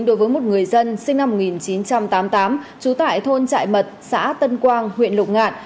đối với một người dân sinh năm một nghìn chín trăm tám mươi tám trú tại thôn trại mật xã tân quang huyện lục ngạn